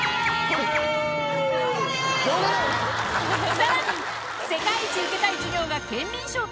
さらに『世界一受けたい授業』が『ケンミンＳＨＯＷ』と！